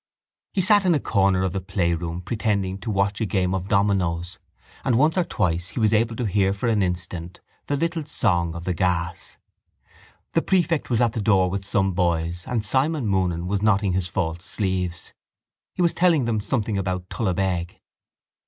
He sat in a corner of the playroom pretending to watch a game of dominos and once or twice he was able to hear for an instant the little song of the gas. The prefect was at the door with some boys and Simon Moonan was knotting his false sleeves. He was telling them something about Tullabeg.